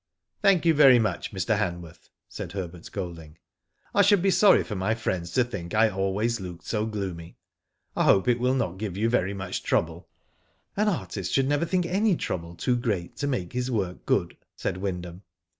" Thank you very much, Mr. Hanworth," said Herbert Golding. " I should be sorry for my friends to think I always looked so gloomy. I hope it will not give you very much trouble." "An artist should never think any trouble too great to make his work good," said Wyndham.